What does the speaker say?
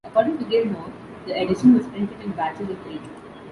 According to Gilmour, the edition was printed in batches of eight.